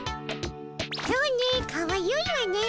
そうねかわゆいわね。